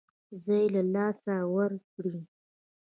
ځای له لاسه ورکړي.